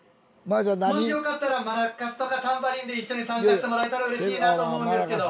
もしよかったらマラカスとかタンバリンで一緒に参加してもらえたらうれしいなと思うんですけど。